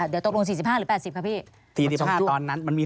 เดี๋ยวตกลง๔๕หรือ๘๐ค่ะพี่